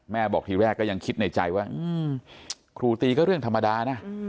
บอกทีแรกก็ยังคิดในใจว่าครูตีก็เรื่องธรรมดานะ